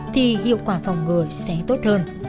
thì hiệu quả phòng ngừa sẽ tốt hơn